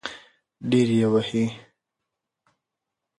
ډېر يې ووهی .